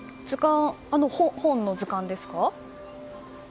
本の図鑑ですか？